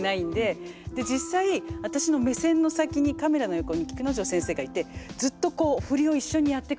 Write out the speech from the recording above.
実際私の目線の先にカメラの横に菊之丞先生がいてずっとこう振りを一緒にやってくれてて。